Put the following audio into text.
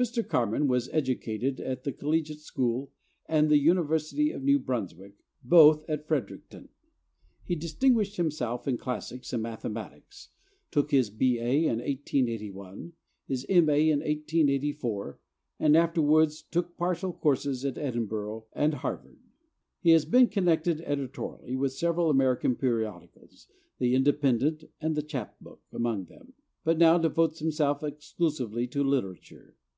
Mr. Carman was educated at the Collegiate School and the University of New Brunswick, both at Fredericton. He distinguished himself in classics and mathematics, took his B. A. in 1881, his M. A. in 1884, and afterwards took partial courses at Edinburgh and Harvard. He has been connected editorially with several American periodicals, the Independent and the Chap Book among them, but now devotes himself exclusively to literature.